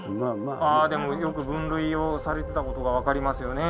あでもよく分類をされてたことが分かりますよね